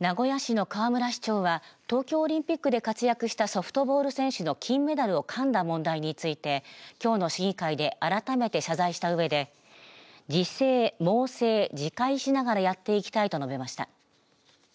名古屋市の河村市長は東京オリンピックで活躍したソフトボール選手の金メダルをかんだ問題についてきょうの市議会で改めて謝罪したうえで自省、猛省、自戒しながらやっていきたいと述べました。